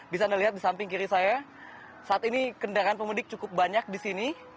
bisa anda lihat di samping kiri saya saat ini kendaraan pemudik cukup banyak di sini